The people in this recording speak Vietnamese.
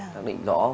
xác định rõ về khám